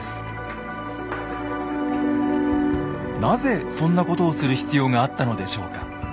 なぜそんなことをする必要があったのでしょうか？